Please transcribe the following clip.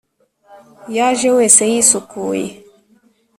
yaje wese yisukuye,